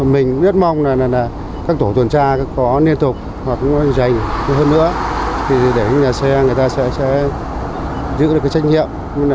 mình rất mong là các tổ tuần tra có liên tục hoặc dành hơn nữa thì để những nhà xe người ta sẽ giữ được cái trách nhiệm